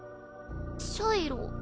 シャイロ。